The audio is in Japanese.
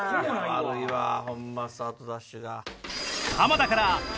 悪いわホンマスタートダッシュが。